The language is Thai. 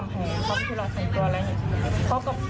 ขอบคุณครับ